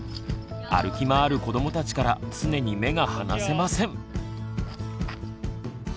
歩き回る子どもたちから常に目が離せません。